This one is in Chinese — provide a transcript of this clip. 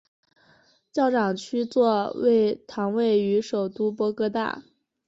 教长区座堂位于首都波哥大。